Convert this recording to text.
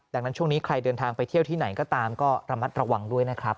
ดังนั้นช่วงนี้ใครเดินทางไปเที่ยวที่ไหนก็ตามก็ระมัดระวังด้วยนะครับ